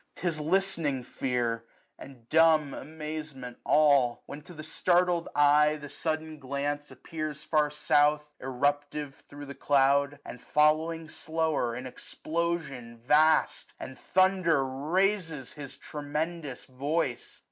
'Tis listening fear, and dumb amazement all : When to the startled eye the sudden glance Appears far south, eruptive thro' the cloud j 1 130 And following slower, in explosion vast. The thunder raises his tremendous voice.